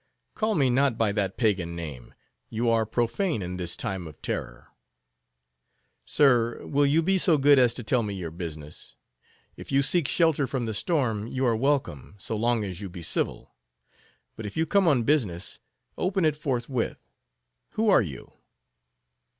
"Call me not by that pagan name. You are profane in this time of terror." "Sir, will you be so good as to tell me your business? If you seek shelter from the storm, you are welcome, so long as you be civil; but if you come on business, open it forthwith. Who are you?"